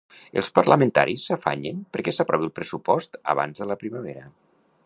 Els parlamentaris s'afanyen perquè s'aprovi el pressupost abans de la primavera.